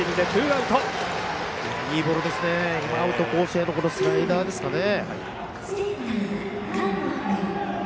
アウトコースへのスライダーですかね。